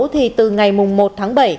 thì từ ngày một tháng bảy